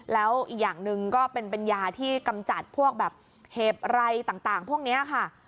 แล้วอีกอย่างหนึ่งก็เป็นยาที่กำจัดพวกแบบเห็บไรต่างพวกนี้ค่ะ